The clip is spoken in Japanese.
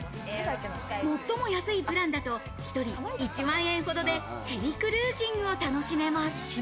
最も安いプランだと１人１万円ほどで、ヘリクルージングを楽しめます。